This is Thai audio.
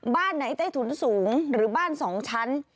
บ้านไหนใต้ถุนสูงหรือบ้าน๒ชั้น